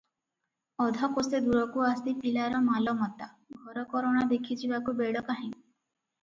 ଅଧକୋଶେ ଦୂରକୁ ଆସି ପିଲାର ମାଲମତା, ଘରକରଣା ଦେଖିଯିବାକୁ ବେଳ କାହିଁ ।